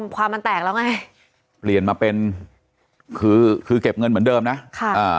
ความมันแตกแล้วไงเปลี่ยนมาเป็นคือคือเก็บเงินเหมือนเดิมนะค่ะอ่า